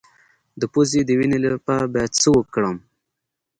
د پوزې د وینې لپاره باید څه وکړم؟